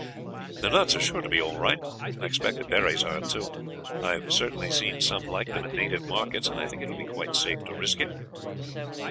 "The nuts are sure to be all right; I expect the berries are too. I have certainly seen some like them in native markets, and I think it will be quite safe to risk it."